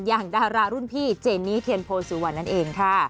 อย่างดารารุ่นพี่เจนีเทียนโพสิวันนั่นเองค่ะ